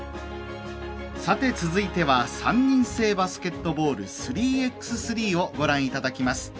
続いては３人制バスケットボール３ｘ３をご覧いただきます。